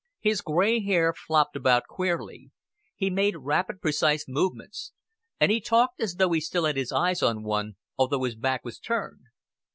His gray hair flopped about queerly; he made rapid precise movements; and he talked as though he still had his eyes on one, although his back was turned.